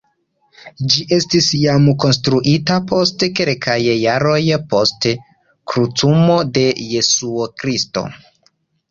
Ĝi estis jam konstruita post kelkaj jaroj post krucumo de Jesuo Kristo.